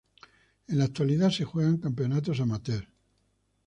En la actualidad se juegan campeonatos amateurs.